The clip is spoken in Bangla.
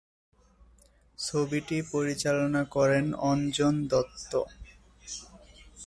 ছবিটি পরিচালনা করেন অঞ্জন দত্ত।